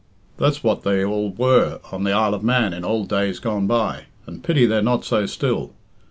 That's what they all were on the Isle of Man in ould days gone by, and pity they're not so still.